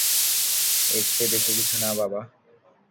এর চেয়ে বেশি কিছু না, বাবা।